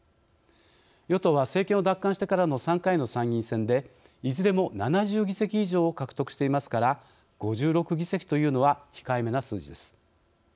与党は、政権を奪還してからの３回の参院選でいずれも７０議席以上を獲得していますから５６議席というのは控えめな数字です。